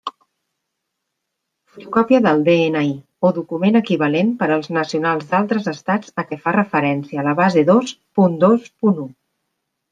Fotocòpia del DNI, o document equivalent per als nacionals d'altres Estats a què fa referència la base dos punt dos punt u.